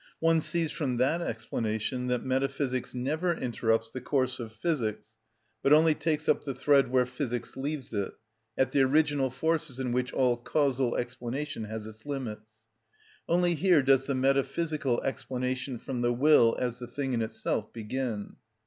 One sees from that explanation that metaphysics never interrupts the course of physics, but only takes up the thread where physics leaves it, at the original forces in which all causal explanation has its limits. Only here does the metaphysical explanation from the will as the thing in itself begin.